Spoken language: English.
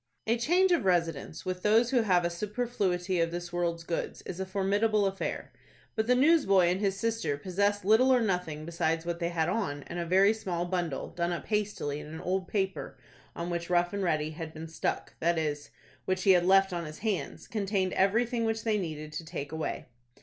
A change of residence with those who have a superfluity of this world's goods is a formidable affair. But the newsboy and his sister possessed little or nothing besides what they had on, and a very small bundle, done up hastily in an old paper on which Rough and Ready had been "stuck," that is, which he had left on his hands, contained everything which they needed to take away.